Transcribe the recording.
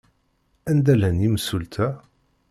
Anda llan yimsulta?